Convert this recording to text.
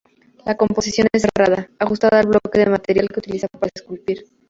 La composición es cerrada, ajustada al bloque de material que utiliza para esculpir.